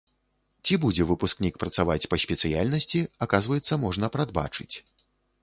Ці будзе выпускнік працаваць па спецыяльнасці, аказваецца, можна прадбачыць.